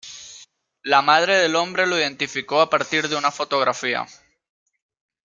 La madre del hombre lo identificó a partir de una fotografía.